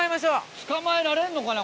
捕まえられんのかな？